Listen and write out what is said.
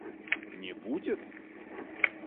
Не будет?